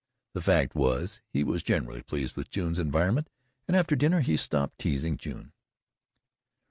The fact was he was generally pleased with June's environment and, after dinner, he stopped teasing June.